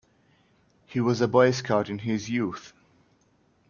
He was a Boy Scout in his youth.